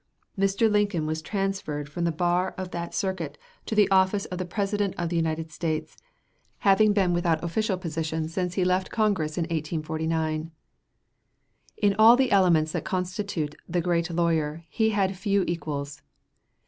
Mr. Lincoln was transferred from the bar of that circuit to the office of the President of the United States, having been without official position since he left Congress in 1849. In all the elements that constitute the great lawyer he had few equals.